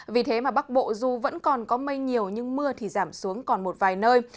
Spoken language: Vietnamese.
vì thế mà bắc bộ dù vẫn còn có mây nhiều nhưng mưa thì giảm xuống còn một vài nơi